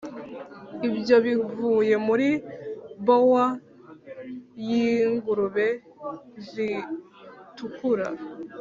ibyo bivuye muri bower yingurube zitukura